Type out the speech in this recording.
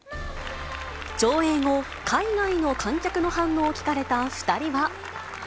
上映後、海外の観客の反応を聞かれた２人は。